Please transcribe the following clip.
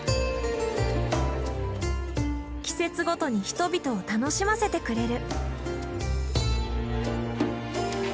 季節ごとに人々を楽しませてくれる。